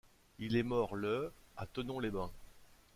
Il est mort le à Thonon-les-Bains.